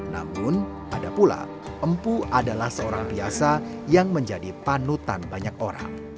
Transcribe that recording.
namun ada pula empu adalah seorang biasa yang menjadi panutan banyak orang